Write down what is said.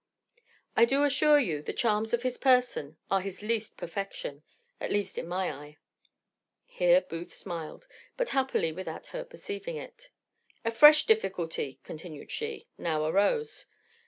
I do assure you the charms of his person are his least perfection, at least in my eye." Here Booth smiled, but happily without her perceiving it. "A fresh difficulty (continued she) now arose.